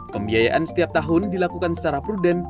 pembiayaan setiap tahun dilakukan secara prudent